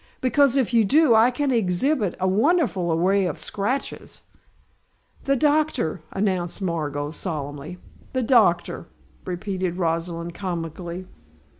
Because if you do I can exhibit a wonderful array of scratches " "The doctor," announced Margot, solemnly. "The doctor," repeated Rosalind, comically.